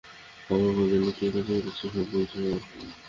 আমার বাবার জন্য কী কাজ করেছে, সব বলেছে ও।